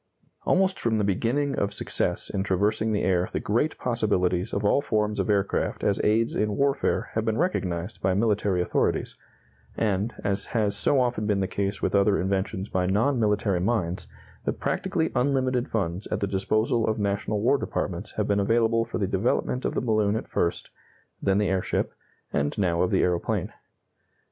Almost from the beginning of success in traversing the air the great possibilities of all forms of aircraft as aids in warfare have been recognized by military authorities, and, as has so often been the case with other inventions by non military minds, the practically unlimited funds at the disposal of national war departments have been available for the development of the balloon at first, then the airship, and now of the aeroplane.